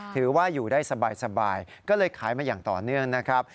ถือว่าอยู่ได้สบายก็เลยขายมาอย่างต่อเนื่องนะครับ